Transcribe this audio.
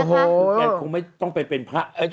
แกคงไม่ต้องเป็นผ้า